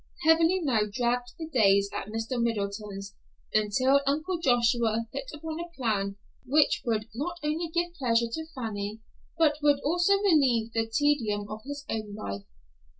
Heavily now dragged the days at Mr. Middleton's, until Uncle Joshua hit upon a plan which would not only give pleasure to Fanny, but would also relieve the tedium of his own life.